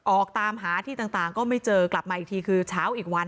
ออกตามหาที่ต่างก็ไม่เจอกลับมาอีกทีคือเช้าอีกวัน